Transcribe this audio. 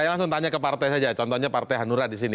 saya langsung tanya ke partai saja contohnya partai hanura di sini